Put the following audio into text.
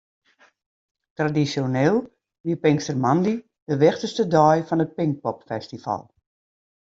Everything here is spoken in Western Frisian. Tradisjoneel wie pinkstermoandei de wichtichste dei fan it Pinkpopfestival.